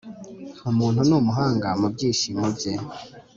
umuntu numuhanga mubyishimo bye.